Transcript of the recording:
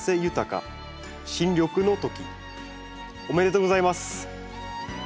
おめでとうございます！